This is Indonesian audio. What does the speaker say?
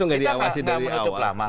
kita tidak menutup lama